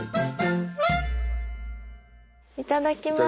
いただきます。